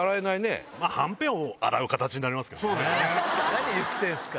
何言ってんすか！